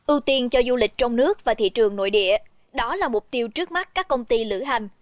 ưu tiên cho du lịch trong nước và thị trường nội địa đó là mục tiêu trước mắt các công ty lửa hành